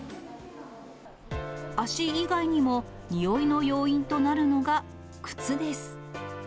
足以外にも、臭いの要因となるのが、靴です。